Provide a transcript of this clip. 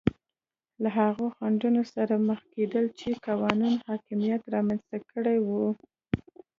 له هغو خنډونو سره مخ کېدل چې قانون حاکمیت رامنځته کړي وو.